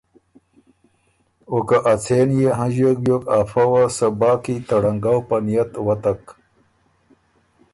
او که ا څېن يې هنݫیوک بیوک ا فۀ وه صبا کی ته ړنګؤ په نئت وتک